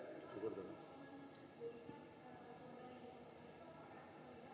terima kasih pak